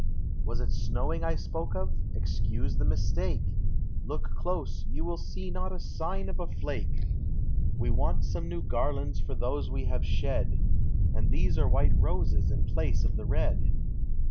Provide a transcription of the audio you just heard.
Was it snowing I spoke of? Excuse the mis take ! Look close, — you will see not a sign of a flake! We want some new garlands for those we have shed,— And these are white roses in place of the red.